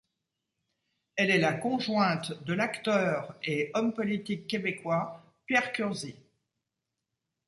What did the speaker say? Elle est la conjointe de l'acteur et homme politique québécois Pierre Curzi.